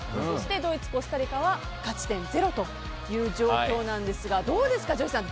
ドイツ、コスタリカは勝ち点０という状況なんですがどうですか、ＪＯＹさん。